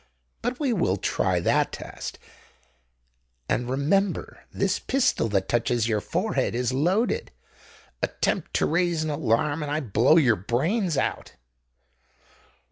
But we will try that test: and remember, this pistol that touches your forehead is loaded. Attempt to raise an alarm—and I blow your brains out."